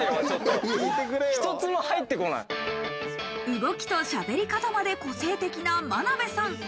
動きとしゃべり方まで個性的な真鍋さん。